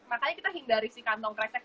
makanya kita hindari si kantong kresek